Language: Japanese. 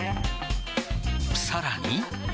さらに。